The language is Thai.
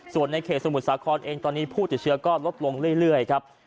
ส่วนในเขตสมุทรสาครเองตอนนี้ผู้ติดเชื้อก็ลดลงเรื่อยครับ